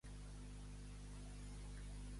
Què feia ell per provocar-li vibracions al cos?